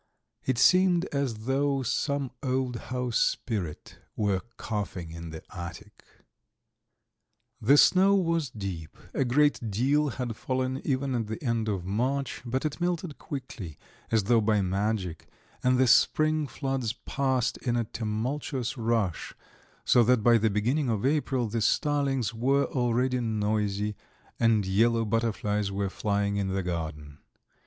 It seemed as though some old house spirit were coughing in the attic. The snow was deep; a great deal had fallen even at the end of March, but it melted quickly, as though by magic, and the spring floods passed in a tumultuous rush, so that by the beginning of April the starlings were already noisy, and yellow butterflies were flying in the garden.